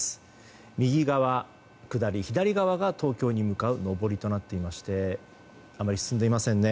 右側、下り左側が東京に向かう上りとなっていましてあまり進んでいませんね。